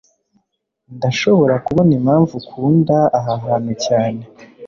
Ndashobora kubona impamvu ukunda aha hantu cyane.